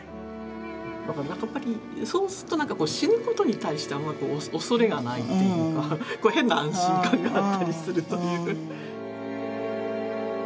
そうすると死ぬことに対してあまり恐れがないっていうか変な安心感があったりするという。